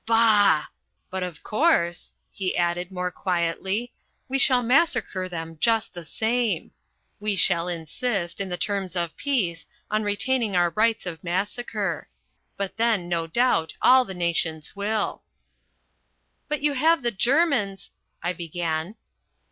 Bah! But, of course," he added more quietly, "we shall massacre them just the same. We shall insist, in the terms of peace, on retaining our rights of massacre. But then, no doubt, all the nations will." "But you have the Germans " I began.